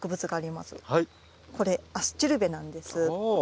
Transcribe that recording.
これアスチルベなんです。